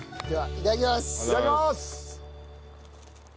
いただきます。